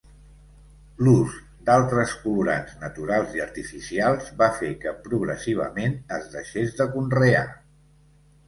L'ús d'altres colorants naturals i artificials va fer que progressivament es deixés de conrear.